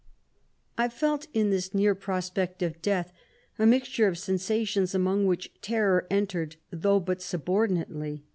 122 1 felt in this near prospect of death a mixture of sensations, among which terror entered, though but subordinate ly.